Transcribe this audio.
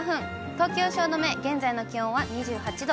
東京・汐留、現在の気温は２８度。